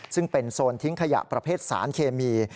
ซึ่งเป็นโซนทิ้งขยะประเภทสารเคมี